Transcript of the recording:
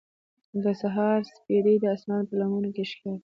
د سهار سپېدې د اسمان په لمنو کې ښکاري.